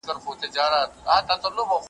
ژوندون که بد وي که ښه تیریږي ,